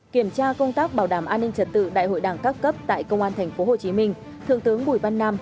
kiểm tra công tác bảo đảm an ninh trật tự đại hội đảng các cấp tại công an tp hcm thượng tướng bùi văn nam